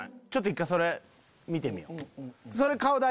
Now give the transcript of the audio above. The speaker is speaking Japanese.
一回それ見てみよう。